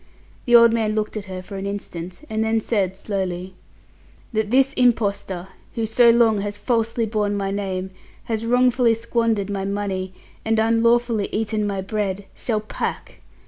The old man looked at her for an instant, and then said slowly, "That this impostor, who so long has falsely borne my name, has wrongfully squandered my money, and unlawfully eaten my bread, shall pack!